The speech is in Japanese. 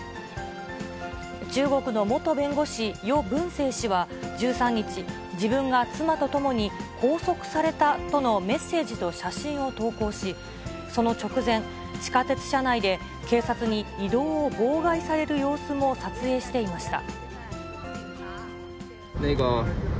中国の元弁護士、余文生氏は１３日、自分が妻と共に拘束されたとのメッセージと写真を投稿し、その直前、地下鉄車内で、警察に移動を妨害される様子も撮影していました。